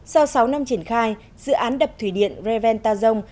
sau sáu năm triển khai dự án đập thủy điện reventazong